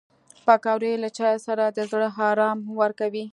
پکورې له چایو سره د زړه ارام ورکوي